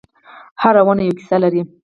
هره ونه یوه کیسه لري.